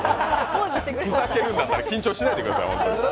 ふざけるんだったら緊張しないでください！